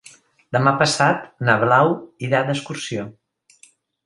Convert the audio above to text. Demà passat na Blau irà d'excursió.